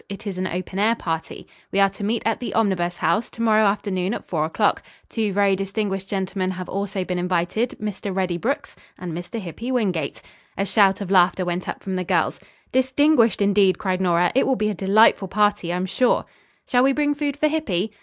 It is an open air party. We are to meet at the Omnibus House, to morrow afternoon at four o'clock. Two very distinguished gentlemen have also been invited Mr. Reddy Brooks and Mr. Hippy Wingate." A shout of laughter went up from the girls "Distinguished, indeed," cried Nora. "It will be a delightful party I am sure." "Shall we bring food for Hippy!"